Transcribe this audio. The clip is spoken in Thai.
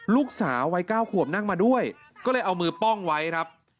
ลูกสาววัย๙ขวบนั่งมาด้วยก็เลยเอามือป้องไว้ครับ